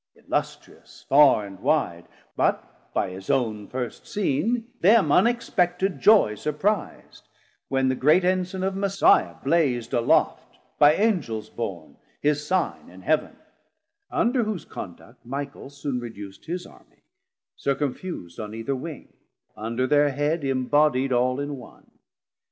Illustrious farr and wide, but by his own First seen, them unexpected joy surpriz'd, When the great Ensign of Messiah blaz'd Aloft by Angels born, his Sign in Heav'n: Under whose Conduct Michael soon reduc'd His Armie, circumfus'd on either Wing, Under thir Head imbodied all in one.